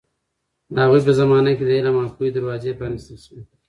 د هغوی په زمانه کې د علم او پوهې دروازې پرانیستل شوې.